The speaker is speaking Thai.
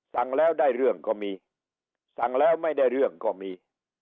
สั่งแล้วได้เรื่องก็มีสั่งแล้วไม่ได้เรื่องก็มี